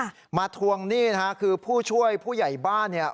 มาทวงหนี้นะฮะคือผู้ช่วยผู้ใหญ่บ้านเนี่ย